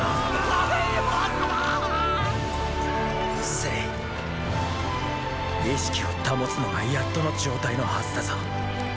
政意識を保つのがやっとの状態のはずだぞ。